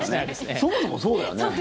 そもそもそうだよね。